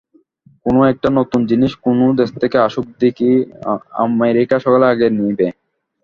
কোন একটা নূতন জিনিষ কোন দেশ থেকে আসুক দিকি, আমেরিকা সকলের আগে নেবে।